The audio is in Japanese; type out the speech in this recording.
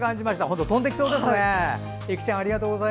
本当、飛んでいきそうですね。